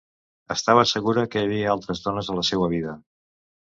Estava segura que hi havia altres dones a la seua vida.